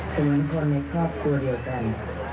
เหมือนคนในครอบครัวเดียวกัน